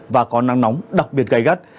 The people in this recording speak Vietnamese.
và có nắng nóng đặc biệt gây gắt